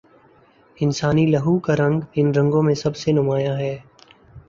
انسانی لہو کا رنگ ان رنگوں میں سب سے نمایاں ہے۔